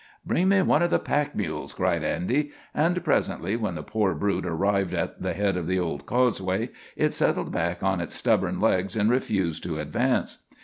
"Bring me one of the pack mules," cried Andy; and presently, when the poor brute arrived at the head of the old causeway, it settled back on its stubborn legs and refused to advance.